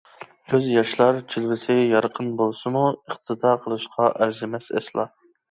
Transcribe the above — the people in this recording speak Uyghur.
كۆز ياشلار جىلۋىسى يارقىن بولسىمۇ، ئىقتىدا قىلىشقا ئەرزىمەس ئەسلا.